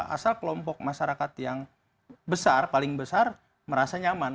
asal kelompok masyarakat yang besar paling besar merasa nyaman